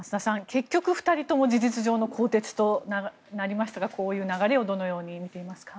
結局、２人とも事実上の更迭となりましたがこういう流れをどのように見ていますか。